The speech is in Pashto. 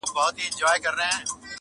نه په ژوند کي د مرغانو غوښی خومه٫